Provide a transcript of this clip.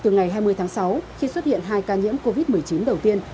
từ ngày hai mươi tháng sáu khi xuất hiện hai ca nhiễm covid một mươi chín đầu tiên